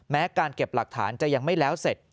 การเก็บหลักฐานจะยังไม่แล้วเสร็จ